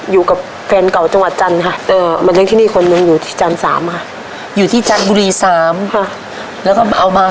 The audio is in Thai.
อยู่กับแฟนเก่าจังหวัดจันทร์ค่ะ